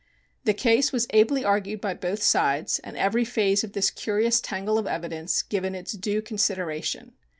The case was ably argued by both sides, and every phase of this curious tangle of evidence given its due consideration.